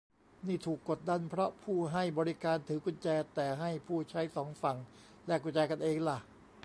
นี่ถูกกดดันเพราะผู้ให้บริการถือกุญแจ แต่ให้ผู้ใช้สองฝั่งแลกกุญแจกันเองล่ะ